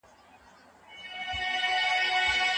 څه شی د کار په ځای کي تبعیض له منځه وړي؟